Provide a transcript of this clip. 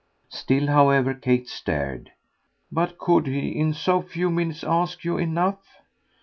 Still, however, Kate stared. "But could he, in so few minutes, ask you enough